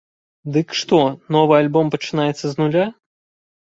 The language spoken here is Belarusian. Дык што, новы альбом пачынаецца з нуля?